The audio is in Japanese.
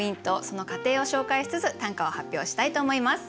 その過程を紹介しつつ短歌を発表したいと思います。